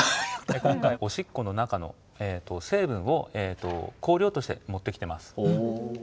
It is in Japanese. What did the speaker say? オシッコの中の成分を香料として持ってきてます。